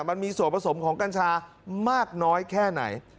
มันมีส่วนผสมของกัญชามากน้อยแค่ไหน